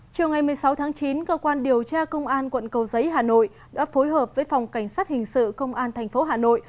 chiều ngày một mươi sáu tháng chín cơ quan điều tra công an quận cầu giấy hà nội đã phối hợp với phòng cảnh sát hình sự công an tp hà nội